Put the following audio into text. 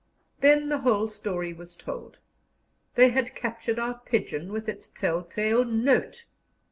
Then the whole story was told. They had captured our pigeon, with its tell tale note.